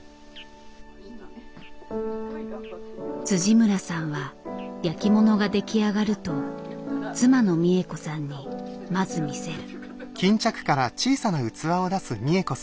村さんは焼きものが出来上がると妻の三枝子さんにまず見せる。